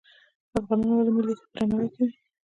افغانان ولې میلمه ته درناوی کوي؟